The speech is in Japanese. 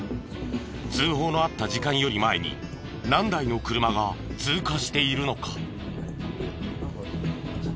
通報のあった時間より前に何台の車が通過しているのか？